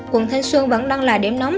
quận thanh xuân vẫn đang là điểm nóng